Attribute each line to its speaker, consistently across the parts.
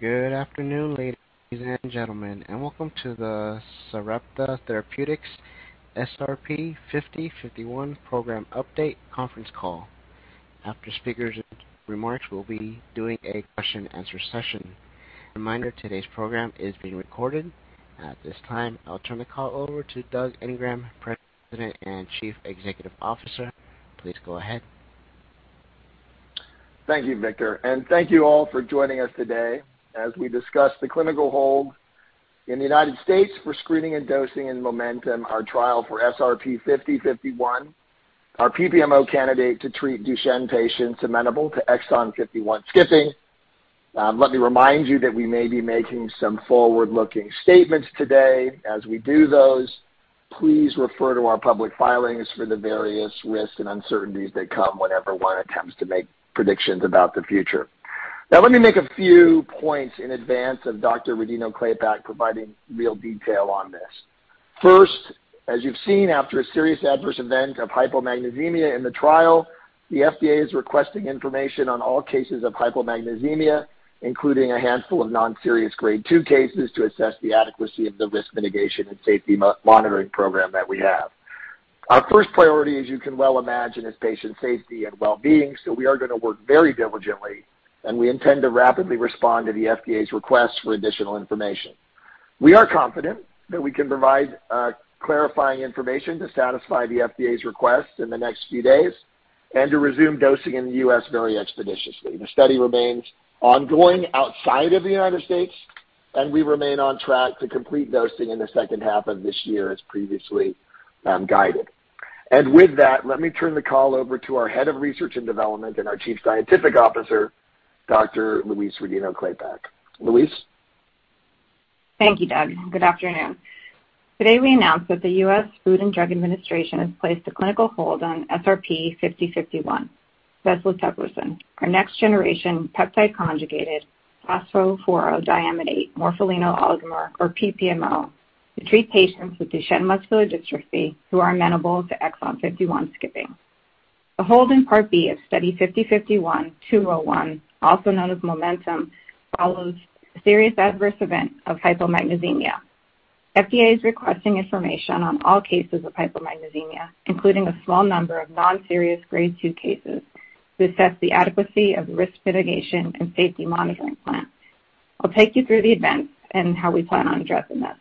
Speaker 1: Good afternoon, ladies and gentlemen, and welcome to the Sarepta Therapeutics SRP-5051 program update conference call. After speakers' remarks, we'll be doing a question-and-answer session. A reminder, today's program is being recorded. At this time, I'll turn the call over to Doug Ingram, President and Chief Executive Officer. Please go ahead.
Speaker 2: Thank you, Victor, and thank you all for joining us today as we discuss the clinical hold in the United States for screening and dosing and MOMENTUM, our trial for SRP-5051, our PPMO candidate to treat Duchenne patients amenable to exon 51 skipping. Let me remind you that we may be making some forward-looking statements today. As we do those, please refer to our public filings for the various risks and uncertainties that come whenever one attempts to make predictions about the future. Now, let me make a few points in advance of Dr. Louise Rodino-Klapac providing real detail on this. First, as you've seen, after a serious adverse event of hypomagnesemia in the trial, the FDA is requesting information on all cases of hypomagnesemia, including a handful of non-serious Grade 2 cases, to assess the adequacy of the risk mitigation and safety monitoring program that we have. Our first priority, as you can well imagine, is patient safety and well-being. We are gonna work very diligently, and we intend to rapidly respond to the FDA's request for additional information. We are confident that we can provide clarifying information to satisfy the FDA's request in the next few days and to resume dosing in the U.S. very expeditiously. The study remains ongoing outside of the United States, and we remain on track to complete dosing in the second half of this year, as previously guided. With that, let me turn the call over to our Head of Research and Development and our Chief Scientific Officer, Dr. Louise Rodino-Klapac. Louise?
Speaker 3: Thank you, Doug. Good afternoon. Today, we announce that the U.S. Food and Drug Administration has placed a clinical hold on SRP-5051, vesleteplirsen, our next-generation peptide conjugated phosphorodiamidate morpholino oligomer, or PPMO, to treat patients with Duchenne muscular dystrophy who are amenable to exon 51 skipping. The hold in Part B of study 5051-201, also known as MOMENTUM, follows a serious adverse event of hypomagnesemia. FDA is requesting information on all cases of hypomagnesemia, including a small number of non-serious Grade 2 cases, to assess the adequacy of risk mitigation and safety monitoring plan. I'll take you through the events and how we plan on addressing this.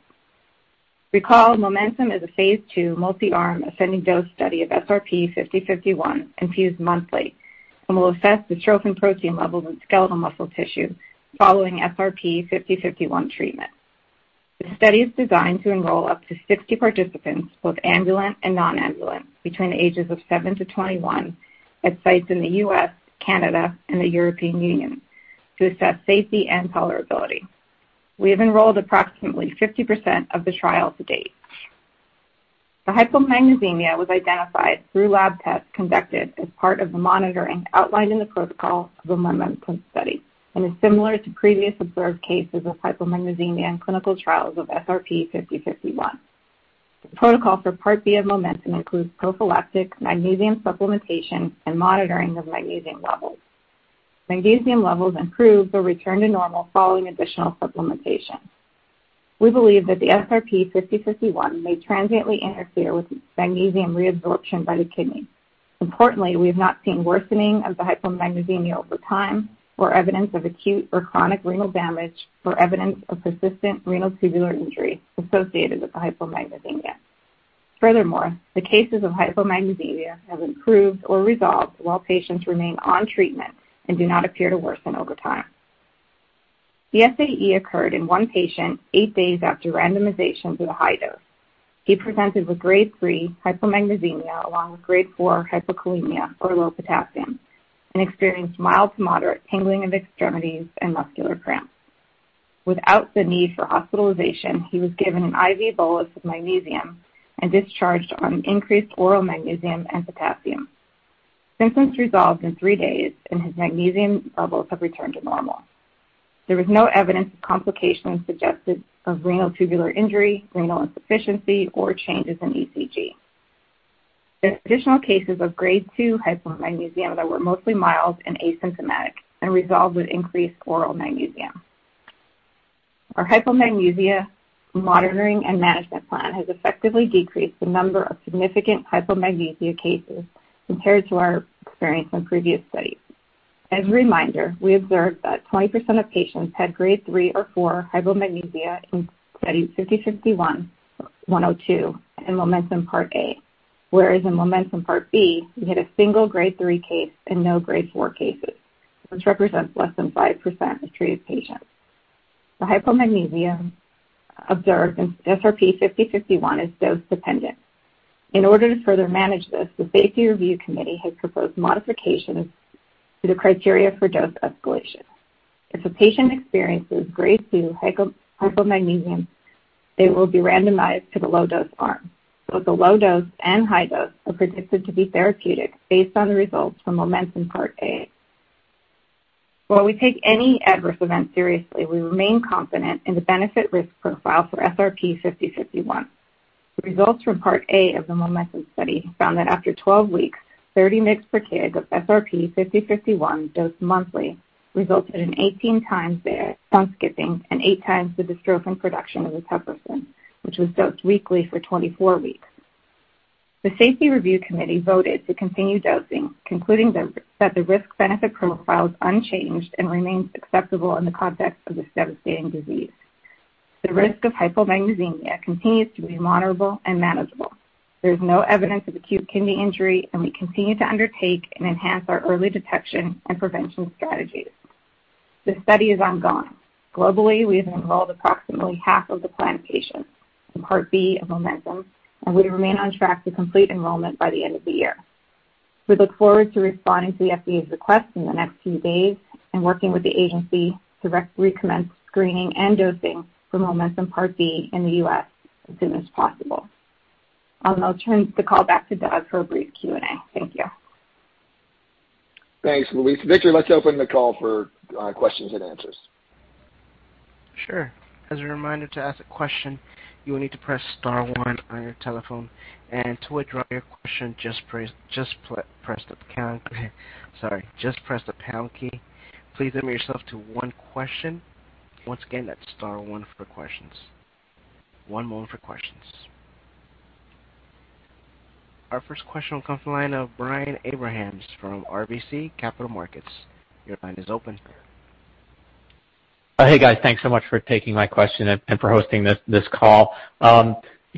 Speaker 3: Recall, MOMENTUM is a phase II multi-arm ascending dose study of SRP-5051 infused monthly and will assess the dystrophin protein levels in skeletal muscle tissue following SRP-5051 treatment. The study is designed to enroll up to 60 participants, both ambulant and non-ambulant, between the ages of seven to 21 at sites in the U.S., Canada, and the European Union, to assess safety and tolerability. We have enrolled approximately 50% of the trial to date. The hypomagnesemia was identified through lab tests conducted as part of the monitoring outlined in the protocol of a MOMENTUM study and is similar to previously observed cases of hypomagnesemia in clinical trials of SRP-5051. The protocol for Part B of MOMENTUM includes prophylactic magnesium supplementation and monitoring of magnesium levels. Magnesium levels improved or returned to normal following additional supplementation. We believe that the SRP-5051 may transiently interfere with magnesium reabsorption by the kidney. Importantly, we have not seen worsening of the hypomagnesemia over time or evidence of acute or chronic renal damage or evidence of persistent renal tubular injury associated with the hypomagnesemia. Furthermore, the cases of hypomagnesemia have improved or resolved while patients remain on treatment and do not appear to worsen over time. The SAE occurred in one patient eight days after randomization to the high dose. He presented with Grade 3 hypomagnesemia along with Grade 4 hypokalemia, or low potassium, and experienced mild to moderate tingling of extremities and muscular cramps. Without the need for hospitalization, he was given an IV bolus of magnesium and discharged on increased oral magnesium and potassium. Symptoms resolved in three days, and his magnesium levels have returned to normal. There was no evidence of complications suggestive of renal tubular injury, renal insufficiency, or changes in ECG. There are additional cases of Grade 2 hypomagnesemia that were mostly mild and asymptomatic and resolved with increased oral magnesium. Our hypomagnesemia monitoring and management plan has effectively decreased the number of significant hypomagnesemia cases compared to our experience in previous studies. As a reminder, we observed that 20% of patients had Grade 3 or 4 hypomagnesemia in Study 5051-102 and MOMENTUM Part A, whereas in MOMENTUM Part B, we had a single grade three case and no grade four cases, which represents less than 5% of treated patients. The hypomagnesemia observed in SRP-5051 is dose-dependent. In order to further manage this, the Safety Review Committee has proposed modifications to the criteria for dose escalation. If a patient experiences grade two hypomagnesemia, they will be randomized to the low dose arm. Both the low dose and high dose are predicted to be therapeutic based on the results from MOMENTUM Part A. While we take any adverse event seriously, we remain confident in the benefit risk profile for SRP-5051. Results from Part A of the MOMENTUM study found that after 12 weeks, 30 mg per kg of SRP-5051 dosed monthly resulted in 18 times the exon skipping and eight times the dystrophin production of vesleteplirsen, which was dosed weekly for 24 weeks. The Safety Review Committee voted to continue dosing, concluding that the risk-benefit profile is unchanged and remains acceptable in the context of this devastating disease. The risk of hypomagnesemia continues to be monitorable and manageable. There's no evidence of acute kidney injury, and we continue to undertake and enhance our early detection and prevention strategies. The study is ongoing. Globally, we have enrolled approximately half of the planned patients in Part B of MOMENTUM, and we remain on track to complete enrollment by the end of the year. We look forward to responding to the FDA's request in the next few days and working with the agency to re-commence screening and dosing for MOMENTUM Part B in the U.S. as soon as possible. I'll turn the call back to Doug for a brief Q&A. Thank you.
Speaker 2: Thanks, Louise. Victor, let's open the call for questions and answers.
Speaker 1: Sure. As a reminder to ask a question, you will need to press star one on your telephone, and to withdraw your question, just press the pound. Sorry. Just press the pound key. Please limit yourself to one question. Once again, that's star one for questions. One moment for questions. Our first question will come from the line of Brian Abrahams from RBC Capital Markets. Your line is open.
Speaker 4: Hey, guys. Thanks so much for taking my question and for hosting this call.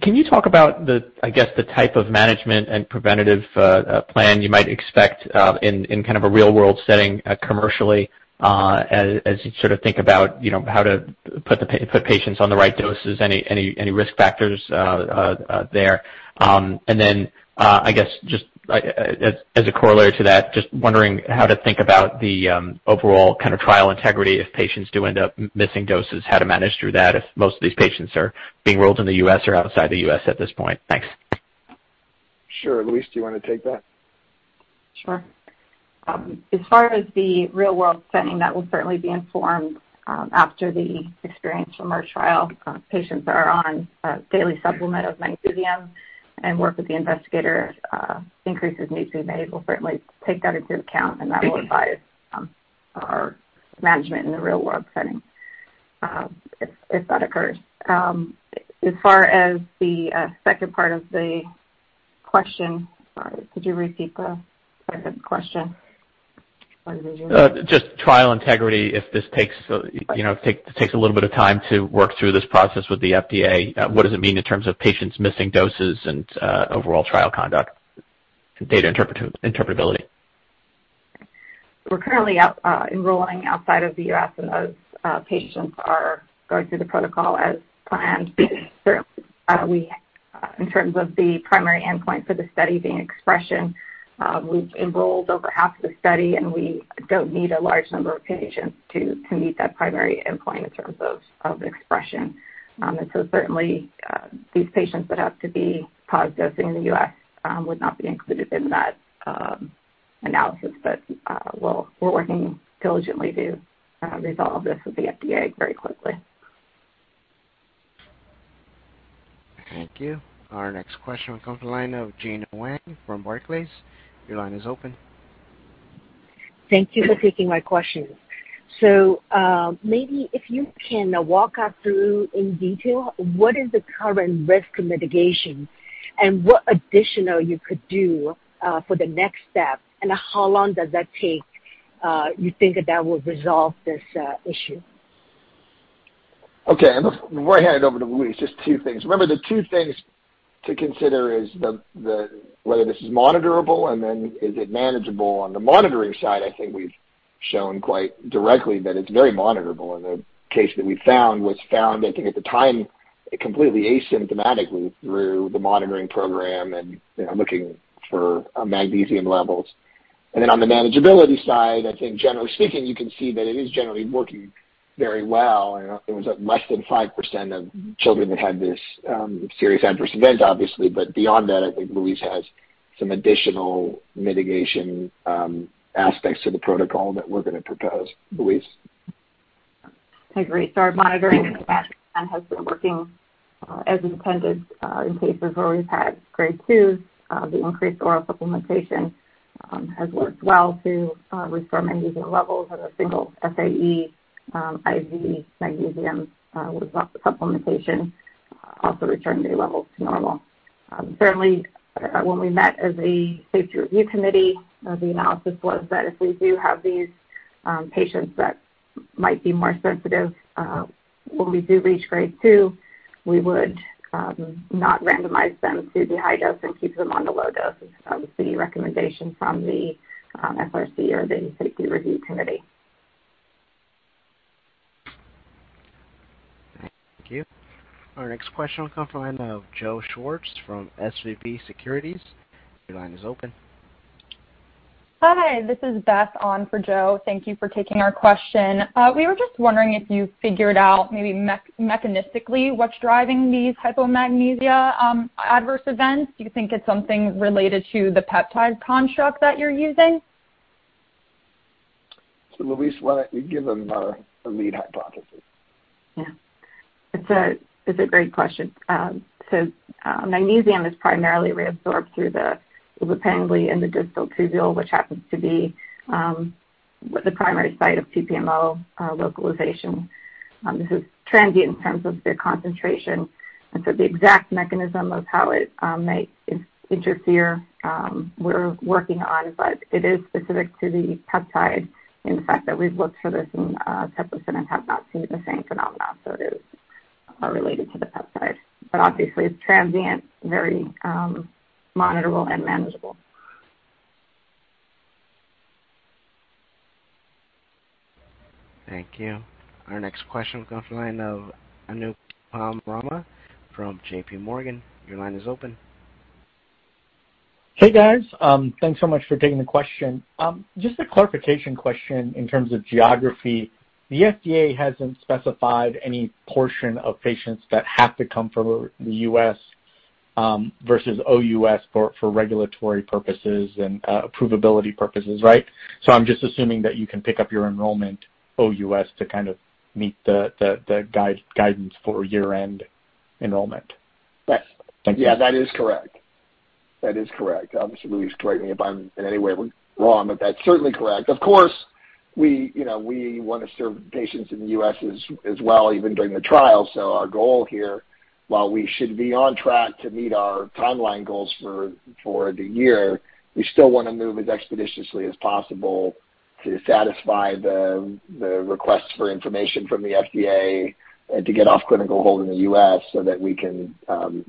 Speaker 4: Can you talk about, I guess, the type of management and preventative plan you might expect in kind of a real-world setting, commercially, as you sort of think about, you know, how to put patients on the right doses. Any risk factors there? Then, I guess just as a corollary to that, just wondering how to think about the overall kind of trial integrity if patients do end up missing doses, how to manage through that if most of these patients are being enrolled in the U.S. or outside the U.S. at this point. Thanks.
Speaker 2: Sure. Louise, do you wanna take that?
Speaker 3: Sure. As far as the real-world setting, that will certainly be informed after the experience from our trial. Patients are on a daily supplement of magnesium and work with the investigator. Increases need to be made. We'll certainly take that into account, and that will advise our management in the real-world setting, if that occurs. As far as the second part of the question. Sorry, could you repeat the second question?
Speaker 4: Just trial integrity. If this takes you know a little bit of time to work through this process with the FDA, what does it mean in terms of patients missing doses and overall trial conduct, data interpretability?
Speaker 3: We're currently enrolling outside of the U.S., and those patients are going through the protocol as planned. Certainly, in terms of the primary endpoint for the study being expression, we've enrolled over half the study, and we don't need a large number of patients to meet that primary endpoint in terms of expression. Certainly, these patients that have to be paused dosing in the U.S. would not be included in that analysis. We're working diligently to resolve this with the FDA very quickly.
Speaker 1: Thank you. Our next question will come from the line of Gena Wang from Barclays. Your line is open.
Speaker 5: Thank you for taking my question. Maybe if you can walk us through in detail what is the current risk mitigation and what additional you could do, for the next step and how long does that take, you think that will resolve this issue?
Speaker 2: Okay. Before I hand it over to Louise, just two things. Remember, the two things to consider is the whether this is monitorable and then is it manageable. On the monitoring side, I think we've shown quite directly that it's very monitorable. The case that we found was found, I think, at the time, completely asymptomatically through the monitoring program and, you know, looking for magnesium levels. On the manageability side, I think generally speaking, you can see that it is generally working very well. You know, it was, like, less than 5% of children that had this serious adverse event, obviously. Beyond that, I think Louise has some additional mitigation aspects to the protocol that we're gonna propose. Louise?
Speaker 3: I agree. Our monitoring has been working as intended in cases where we've had Grade 2s. The increased oral supplementation has worked well to restore magnesium levels at a single SAE, IV magnesium with supplementation also returning the levels to normal. Certainly, when we met as a safety review committee, the analysis was that if we do have these patients that might be more sensitive, when we do reach Grade 2, we would not randomize them to the high dose and keep them on the low dose. That was the recommendation from the SRC or the Safety Review Committee.
Speaker 1: Thank you. Our next question will come from the line of Joe Schwartz from SVB Securities. Your line is open.
Speaker 6: Hi, this is Beth on for Joe. Thank you for taking our question. We were just wondering if you figured out maybe mechanistically what's driving these hypomagnesemia adverse events. Do you think it's something related to the peptide construct that you're using?
Speaker 2: Louise, why don't you give them our lead hypothesis?
Speaker 3: Yeah. It's a great question. Magnesium is primarily reabsorbed through the TRPM6 channel in the distal tubule, which happens to be the primary site of PPMO localization. This is transient in terms of their concentration. The exact mechanism of how it may interfere, we're working on, but it is specific to the peptide and the fact that we've looked for this in vesleteplirsen and have not seen the same phenomena. It is related to the peptide. Obviously, it's transient, very monitorable and manageable.
Speaker 1: Thank you. Our next question will come from the line of Anupam Rama from JPMorgan. Your line is open.
Speaker 7: Hey, guys. Thanks so much for taking the question. Just a clarification question in terms of geography. The FDA hasn't specified any portion of patients that have to come from the U.S. versus OUS for regulatory purposes and approvability purposes, right? I'm just assuming that you can pick up your enrollment OUS to kind of meet the guidance for year-end enrollment.
Speaker 2: Yes.
Speaker 7: Thank you.
Speaker 2: Yeah, that is correct. Obviously, Louise, correct me if I'm in any way wrong, but that's certainly correct. Of course, we, you know, we wanna serve patients in the U.S. as well, even during the trial. Our goal here, while we should be on track to meet our timeline goals for the year, we still wanna move as expeditiously as possible to satisfy the requests for information from the FDA and to get off clinical hold in the U.S. so that we can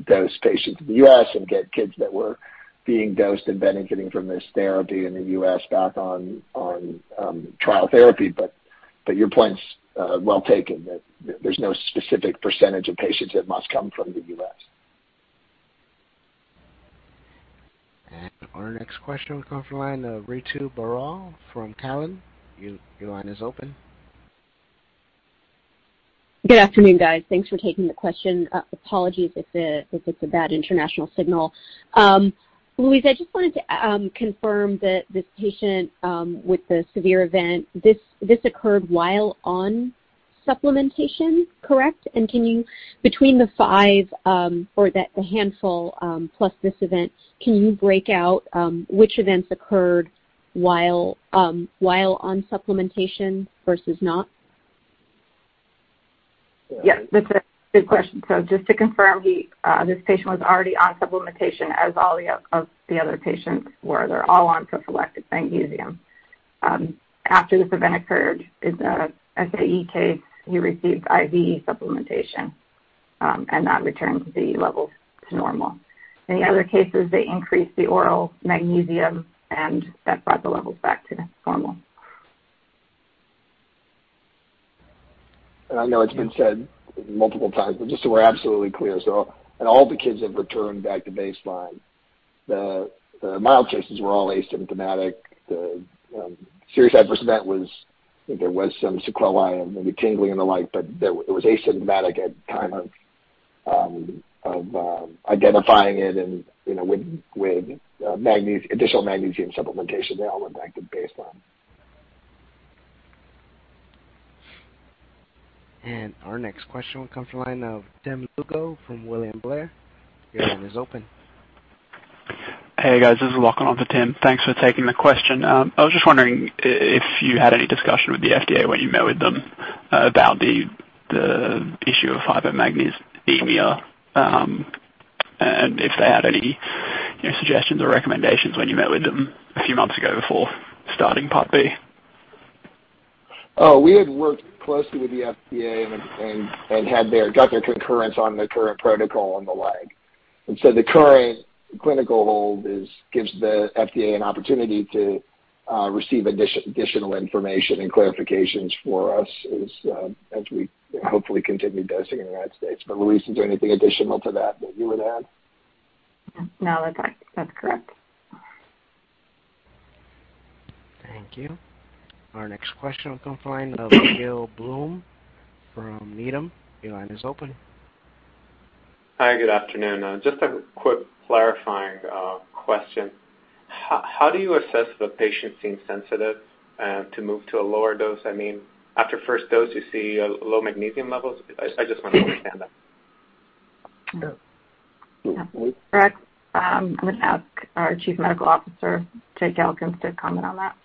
Speaker 2: dose patients in the U.S. and get kids that were being dosed and benefiting from this therapy in the U.S. back on trial therapy. Your point's well taken, that there's no specific percentage of patients that must come from the U.S.
Speaker 1: Our next question will come from the line of Ritu Baral from Cowen. Your line is open.
Speaker 8: Good afternoon, guys. Thanks for taking the question. Apologies if it's a bad international signal. Louise, I just wanted to confirm that this patient with the severe event, this occurred while on supplementation, correct? Can you break out between the five or the handful plus this event, which events occurred while on supplementation versus not?
Speaker 3: Yeah, that's a good question. Just to confirm, he, this patient was already on supplementation as all of the other patients were. They're all on prophylactic magnesium. After this event occurred, his SAE case, he received IV supplementation, and that returned the levels to normal. In the other cases, they increased the oral magnesium, and that brought the levels back to normal.
Speaker 2: I know it's been said multiple times, but just so we're absolutely clear. All the kids have returned back to baseline. The mild cases were all asymptomatic. The serious adverse event was some sequela and maybe tingling and the like, but it was asymptomatic at time of identifying it and, you know, with additional magnesium supplementation, they all went back to baseline.
Speaker 1: Our next question will come from the line of Tim Lugo from William Blair. Your line is open.
Speaker 9: Hey, guys. This is Lachlan on for Tim. Thanks for taking the question. I was just wondering if you had any discussion with the FDA when you met with them about the issue of hypomagnesemia, and if they had any, you know, suggestions or recommendations when you met with them a few months ago before starting Part B.
Speaker 2: Oh, we had worked closely with the FDA and got their concurrence on the current protocol and the like. The current clinical hold gives the FDA an opportunity to receive additional information and clarifications from us as we hopefully continue dosing in the United States. Louise, is there anything additional to that that you would add?
Speaker 3: No, that's correct.
Speaker 1: Thank you. Our next question will come from the line of Gil Blum from Needham. Your line is open.
Speaker 10: Hi, good afternoon. Just a quick clarifying question. How do you assess if a patient seems sensitive to move to a lower dose? I mean, after first dose, you see a low magnesium levels. I just wanna understand that.
Speaker 2: Yeah.
Speaker 3: Yeah. Correct. I'm gonna ask our Chief Medical Officer, James Richardson, to comment on that.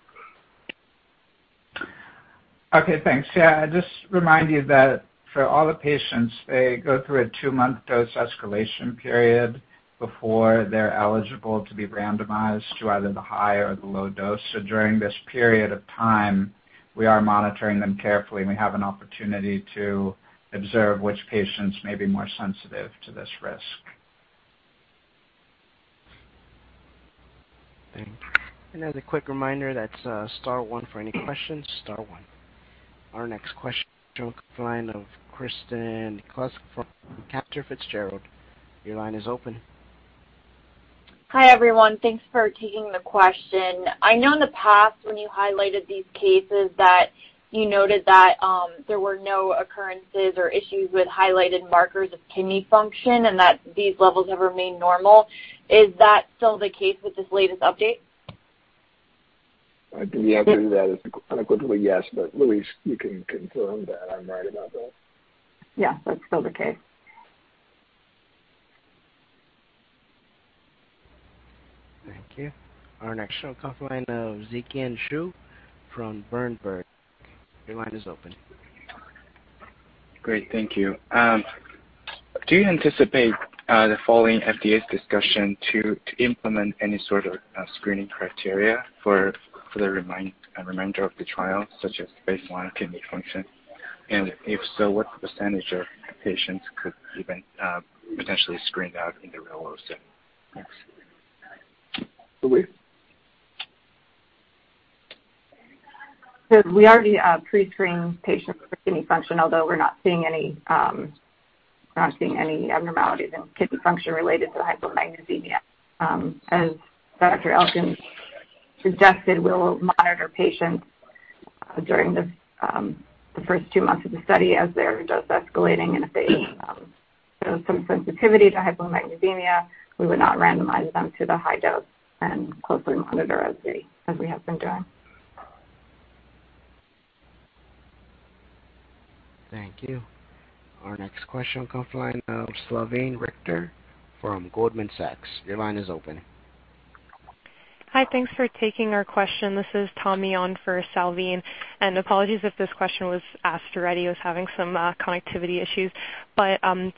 Speaker 11: Okay, thanks. Yeah, just remind you that for all the patients, they go through a two-month dose escalation period before they're eligible to be randomized to either the high or the low dose. During this period of time, we are monitoring them carefully, and we have an opportunity to observe which patients may be more sensitive to this risk.
Speaker 1: Thank you. As a quick reminder, that's star one for any questions, star one. Our next question will come from the line of Kristen Kluska from Cantor Fitzgerald. Your line is open.
Speaker 12: Hi, everyone. Thanks for taking the question. I know in the past when you highlighted these cases that you noted that, there were no occurrences or issues with highlighted markers of kidney function and that these levels have remained normal. Is that still the case with this latest update?
Speaker 2: I think the answer to that is unequivocally yes, but Louise, you can confirm that I'm right about that.
Speaker 3: Yeah, that's still the case.
Speaker 1: Thank you. Our next line, Zhiqiang Shu from Berenberg. Your line is open.
Speaker 13: Great, thank you. Do you anticipate the following FDA's discussion to implement any sort of screening criteria for the remainder of the trial, such as baseline kidney function? If so, what percentage of patients could even potentially screen out in the real-world setting?
Speaker 2: Louise.
Speaker 3: We already pre-screen patients for kidney function, although we're not seeing any abnormalities in kidney function related to hypomagnesemia. As Dr. Richardson suggested, we'll monitor patients during this, the first two months of the study as they're dose escalating, and if they show some sensitivity to hypomagnesemia, we will not randomize them to the high dose and closely monitor as we have been doing.
Speaker 1: Thank you. Our next question comes from the line of Salveen Richter from Goldman Sachs. Your line is open.
Speaker 14: Hi, thanks for taking our question. This is Tommie on for Salveen, and apologies if this question was asked already. I was having some connectivity issues.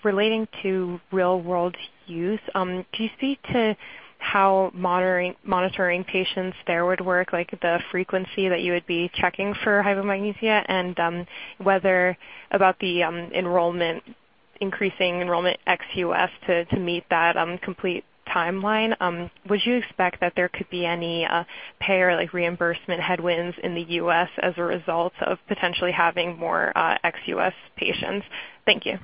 Speaker 14: Relating to real world use, can you speak to how monitoring patients there would work, like the frequency that you would be checking for hypomagnesemia? Whether about the enrollment, increasing enrollment ex-U.S. to meet that complete timeline, would you expect that there could be any payer like reimbursement headwinds in the U.S. as a result of potentially having more ex-U.S. patients? Thank you.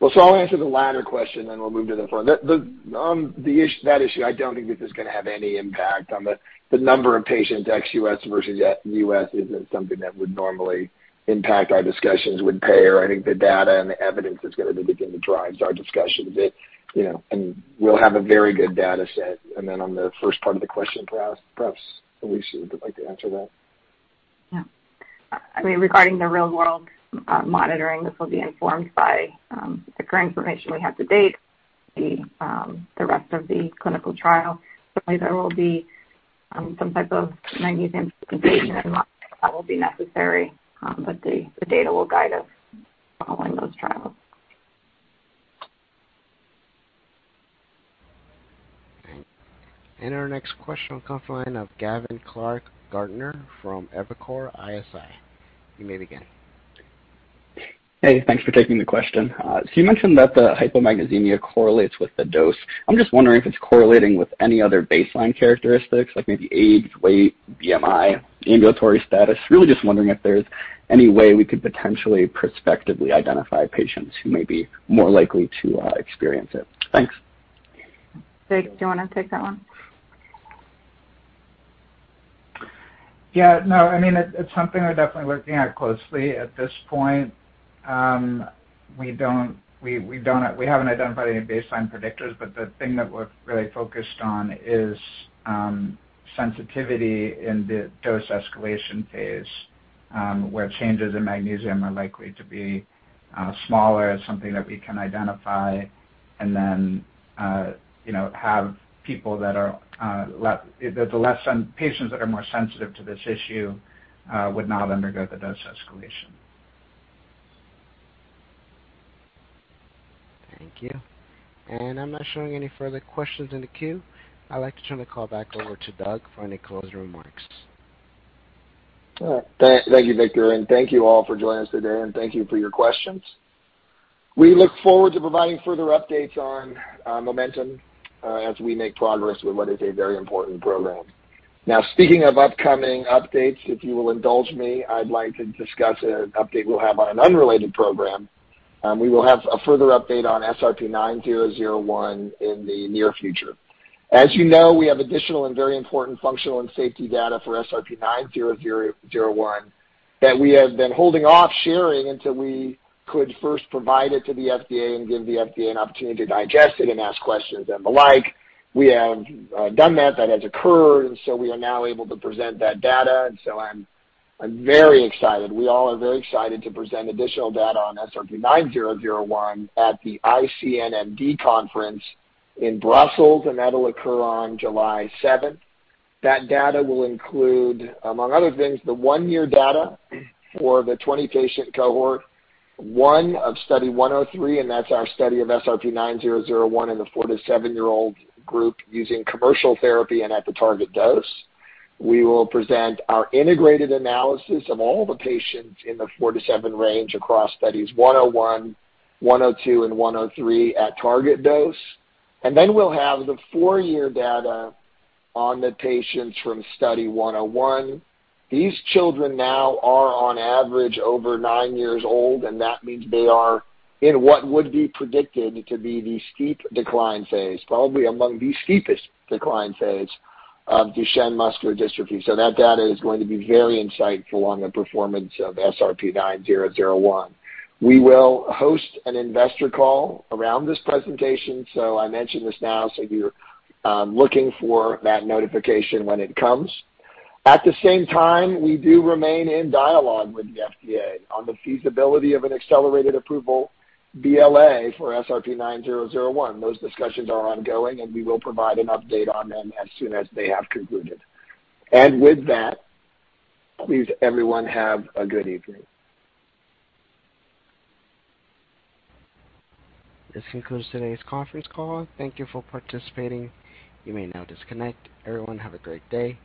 Speaker 2: Well, I'll answer the latter question, then we'll move to the front. The on the ex-U.S. issue, I don't think this is gonna have any impact on the number of patients ex-U.S. versus U.S. isn't something that would normally impact our discussions with payers. I think the data and the evidence is gonna begin to drive our discussions a bit, you know, and we'll have a very good data set. On the first part of the question, perhaps Louise would like to answer that.
Speaker 3: I mean, regarding the real-world monitoring, this will be informed by the current information we have to date, the rest of the clinical trial. There will be some type of magnesium implementation, and I think that will be necessary, but the data will guide us following those trials.
Speaker 1: Our next question will come from the line of Gavin Clark-Gartner from Evercore ISI. You may begin.
Speaker 15: Hey, thanks for taking the question. You mentioned that the hypomagnesemia correlates with the dose. I'm just wondering if it's correlating with any other baseline characteristics, like maybe age, weight, BMI, ambulatory status? Really just wondering if there's any way we could potentially prospectively identify patients who may be more likely to experience it? Thanks.
Speaker 3: James, do you wanna take that one?
Speaker 11: Yeah, no, I mean, it's something we're definitely looking at closely. At this point, we haven't identified any baseline predictors, but the thing that we're really focused on is sensitivity in the dose escalation phase, where changes in magnesium are likely to be smaller, something that we can identify and then you know, have patients that are more sensitive to this issue would not undergo the dose escalation.
Speaker 1: Thank you. I'm not showing any further questions in the queue. I'd like to turn the call back over to Doug for any closing remarks.
Speaker 2: All right. Thank you, Victor. Thank you all for joining us today, and thank you for your questions. We look forward to providing further updates on MOMENTUM as we make progress with what is a very important program. Now, speaking of upcoming updates, if you will indulge me, I'd like to discuss an update we'll have on an unrelated program. We will have a further update on SRP-9001 in the near future. As you know, we have additional and very important functional and safety data for SRP-9001 that we have been holding off sharing until we could first provide it to the FDA and give the FDA an opportunity to digest it and ask questions and the like. We have done that has occurred, and so we are now able to present that data. I'm very excited. We all are very excited to present additional data on SRP-9001 at the ICNMD conference in Brussels, and that'll occur on July 7th. That data will include, among other things, the one-year data for the 20-patient cohort, one of Study 103, and that's our study of SRP-9001 in the four-to-seven-year-old group using commercial therapy and at the target dose. We will present our integrated analysis of all the patients in the four to seven range across Studies 101, 102, and 103 at target dose. Then we'll have the four-year data on the patients from Study 101. These children now are on average over nine years old, and that means they are in what would be predicted to be the steep decline phase, probably among the steepest decline phase of Duchenne muscular dystrophy. That data is going to be very insightful on the performance of SRP-9001. We will host an investor call around this presentation. I mention this now, so if you're looking for that notification when it comes. At the same time, we do remain in dialogue with the FDA on the feasibility of an accelerated approval BLA for SRP-9001. Those discussions are ongoing, and we will provide an update on them as soon as they have concluded. With that, please, everyone have a good evening.
Speaker 1: This concludes today's conference call. Thank you for participating. You may now disconnect. Everyone, have a great day.